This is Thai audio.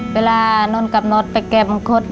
เวลาน้นกับนอสไปเก็บมะคุด